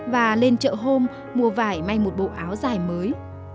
và lên chợ hôm mua vải may một bộ áo dài mới